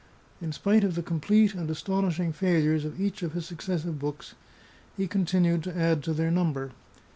In spite of the complete and astonishing failures of each of his successive books, he con tinued to add to their number.